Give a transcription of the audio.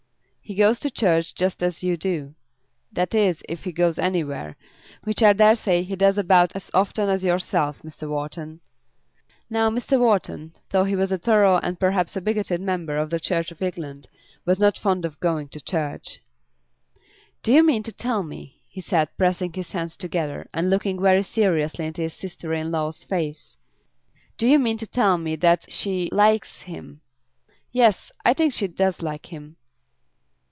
"He goes to church just as you do, that is, if he goes anywhere; which I dare say he does about as often as yourself, Mr. Wharton." Now Mr. Wharton, though he was a thorough and perhaps a bigoted member of the Church of England, was not fond of going to church. "Do you mean to tell me," he said, pressing his hands together, and looking very seriously into his sister in law's face; "do you mean to tell me that she likes him?" "Yes; I think she does like him."